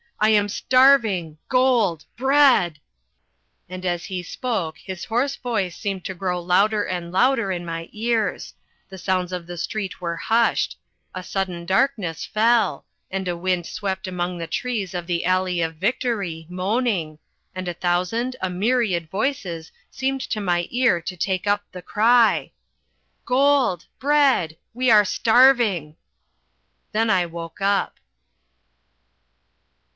I am starving gold bread." And as he spoke his hoarse voice seemed to grow louder and louder in my ears; the sounds of the street were hushed; a sudden darkness fell; and a wind swept among the trees of the Alley of Victory moaning and a thousand, a myriad voices seemed to my ear to take up the cry: "Gold! Bread! We are starving." Then I woke up.